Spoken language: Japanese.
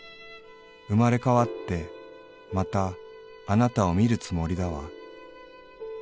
生れ変ってまたあなたを見るつもりだわ』